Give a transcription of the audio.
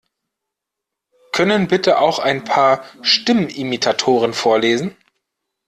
Können bitte auch ein paar Stimmenimitatoren vorlesen?